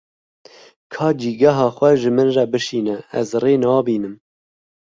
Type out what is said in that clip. Ka cîgeha xwe ji min re bişîne, ez rê nabînim.